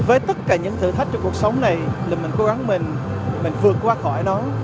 với tất cả những thử thách trong cuộc sống này thì mình cố gắng mình vượt qua khỏi nó